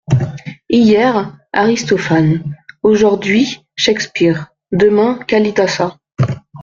Hier, Aristophane ; aujourd'hui, Shakespeare : demain, Kalidasa.